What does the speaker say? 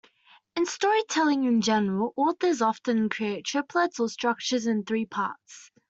In storytelling in general, authors often create triplets or structures in three parts.